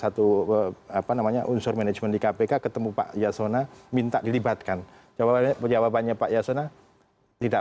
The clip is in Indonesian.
satu apa namanya unsur manajemen di kpk ketemu pak yasona minta dilibatkan jawabannya jawabannya pak yasona tidak